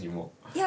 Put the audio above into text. いや。